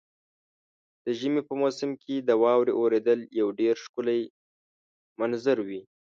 د ژمي په موسم کې د واورې اورېدل یو ډېر ښکلی منظر وي.